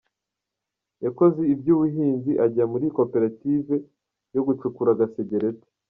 Yakoze iby’ubuhinzi, ajya muri koperative yo gucukura gasegereti.